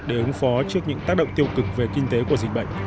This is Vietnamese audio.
để ứng phó trước những tác động tiêu cực về kinh tế của dịch bệnh